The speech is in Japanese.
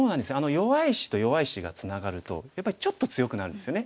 弱い石と弱い石がツナがるとやっぱりちょっと強くなるんですよね。